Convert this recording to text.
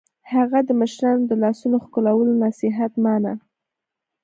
هغه د مشرانو د لاسونو ښکلولو نصیحت مانه